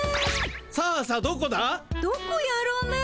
どこやろね？